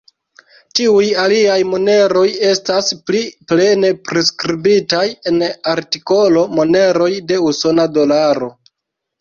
Tiuj aliaj moneroj estas pli plene priskribitaj en artikolo Moneroj de usona dolaro.